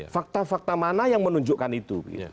fakta fakta mana yang menunjukkan itu